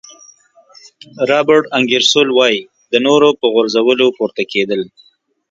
رابرټ انګیرسول وایي د نورو په غورځولو پورته کېدل.